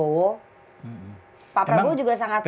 pak prabowo juga sangat terhormat dengan bumika